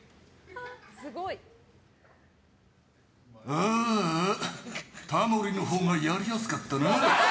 あーあ、タモリのほうがやりやすかったな。